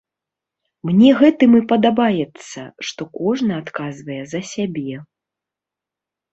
Мне гэтым і падабаецца, што кожны адказвае за сябе.